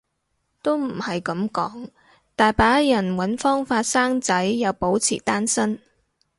都唔係噉講，大把人搵方法生仔又保持單身